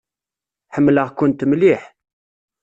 Ḥemmleɣ-kent mliḥ.